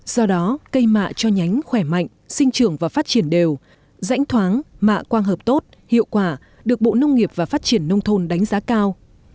do đó cây mạ cho nhánh khỏe mạnh sinh trưởng và phát triển đều rãnh thoáng mạ quang hợp tốt hiệu quả được bộ nông nghiệp và phát triển nông thôn đánh giá cao